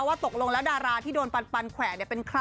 ว่าตกลงแล้วดาราที่โดนปันแขวนเป็นใคร